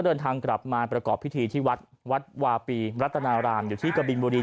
เดินทางกลับมาประกอบพิธีที่วัดวัดวาปีรัตนารามอยู่ที่กะบินบุรี